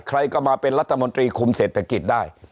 ใครก็มาเป็นรัฐมนตรีคุมเศรษฐกิจได้